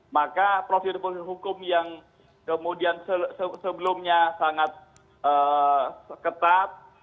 maka prosedur prosedur hukum yang kemudian sebelumnya sangat ketat